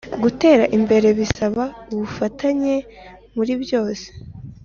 Gutera imbere bisaba ubufatanye muri byose